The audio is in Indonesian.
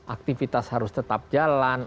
aktivitas harus tetap jalan